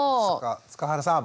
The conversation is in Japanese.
塚原さん。